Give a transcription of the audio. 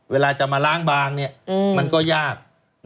เวลาจะมาล้างบางมันก็ยาก